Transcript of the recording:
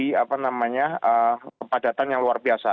seperti kepadatan yang luar biasa